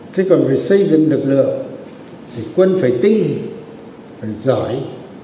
thế còn phải xây dựng lực lượng thì quân phải tinh phải giỏi